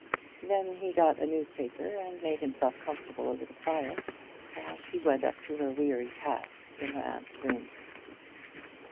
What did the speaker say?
Then he got a newspaper and made himself comfortable over the fire, while she went up to her weary task in her aunt's room.